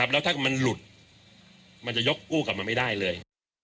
แล้วถ้ามันหลุดมันจะยกกู้กลับมาไม่ได้เลย